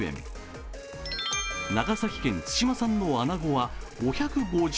長崎県対馬産のあなごは５５０円。